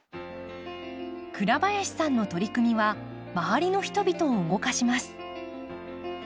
倉林さんの取り組みは周りの人々を動かします。